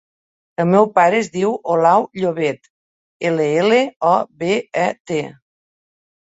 El meu pare es diu Olau Llobet: ela, ela, o, be, e, te.